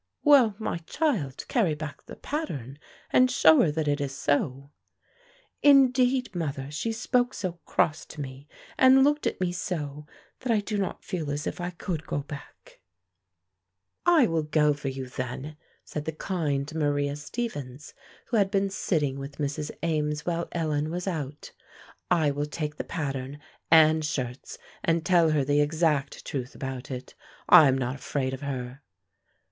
"Well, my child, carry back the pattern, and show her that it is so." "Indeed, mother, she spoke so cross to me, and looked at me so, that I do not feel as if I could go back." "I will go for you, then," said the kind Maria Stephens, who had been sitting with Mrs. Ames while Ellen was out. "I will take the pattern and shirts, and tell her the exact truth about it. I am not afraid of her."